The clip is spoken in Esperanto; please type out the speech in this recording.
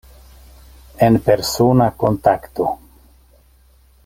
En persona kontakto.